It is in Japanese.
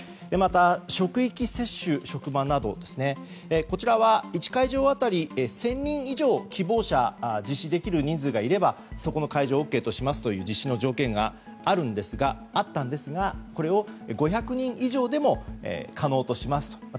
また、職域接種は１会場当たり１０００人以上希望者は実施できる人数がいればそこの会場はＯＫとしますという実施の条件があったんですがこれを５００人以上でも可能としますと。